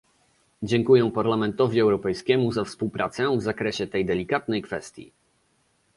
Dziękuję Parlamentowi Europejskiemu za współpracę w zakresie tej delikatnej kwestii